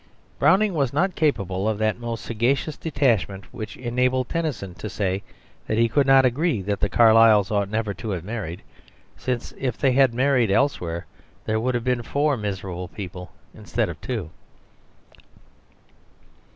Browning was not capable of that most sagacious detachment which enabled Tennyson to say that he could not agree that the Carlyles ought never to have married, since if they had each married elsewhere there would have been four miserable people instead of two.